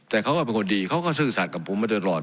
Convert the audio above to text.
แต่เขาก็เป็นคนดีเขาก็ซื่อสัตว์กับผมมาตลอด